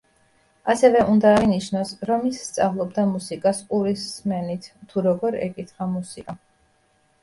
ასევე უნდა აღინიშნოს, რომ ის სწავლობდა მუსიკას ყურის სმენით, თუ როგორ ეკითხა მუსიკა.